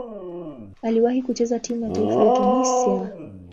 Aliwahi kucheza timu ya taifa ya Tunisia.